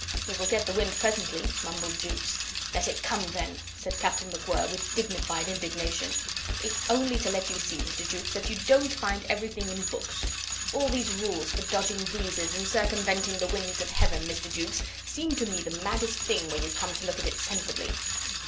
"We will get the wind presently," mumbled Jukes. "Let it come, then," said Captain MacWhirr, with dignified indignation. "It's only to let you see, Mr. Jukes, that you don't find everything in books. All these rules for dodging breezes and circumventing the winds of heaven, Mr. Jukes, seem to me the maddest thing, when you come to look at it sensibly."